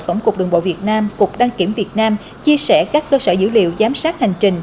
tổng cục đường bộ việt nam cục đăng kiểm việt nam chia sẻ các cơ sở dữ liệu giám sát hành trình